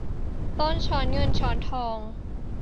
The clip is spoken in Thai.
ต้นช้อนเงินช้อนทอง